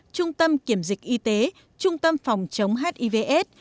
trung tâm kiểm dịch y tế trung tâm phòng chống hivs